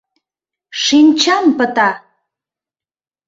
Шинчам пыта!..